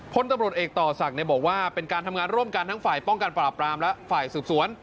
พลตำรวจเอกต่อศักดิ์บอกว่าเป็นการทำงานร่วมกันทั้งฝ่ายป้องกันปราบปรามและฝ่ายสืบสวน